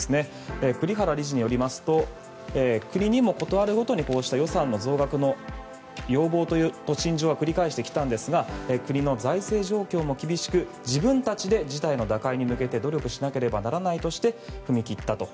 栗原理事によりますと国にも事あるごとにこうした予算の増額という陳情は繰り返してきたんですが国の財政状況も厳しく自分たちで事態の打開に向けて努力しなければならないとして踏み切ったと。